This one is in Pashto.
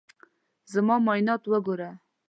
زما معاینات وګوره.